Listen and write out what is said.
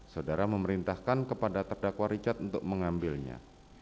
saudara memerintahkan kepada terdakwa richard untuk mengambilnya